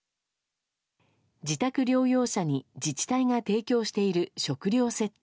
自宅療養者に自治体が提供している食料セット。